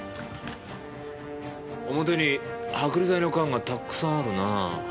表に剥離剤の缶がたくさんあるなあ。